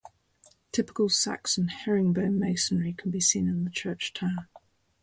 Typical Saxon herring-bone masonry can be seen in the church tower.